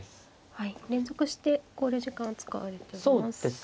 はい連続して考慮時間を使われています。